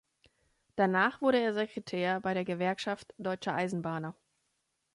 Danach wurde er Sekretär bei der Gewerkschaft Deutscher Eisenbahner.